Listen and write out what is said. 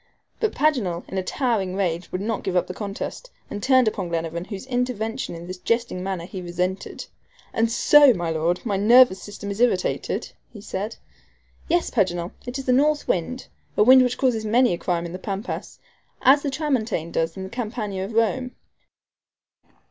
But Paganel, in a towering rage, would not give up the contest, and turned upon Glenarvan, whose intervention in this jesting manner he resented. "And so, my Lord, my nervous system is irritated?" he said. "Yes, Paganel, it is the north wind a wind which causes many a crime in the Pampas, as the TRAMONTANE does in the Campagna of Rome."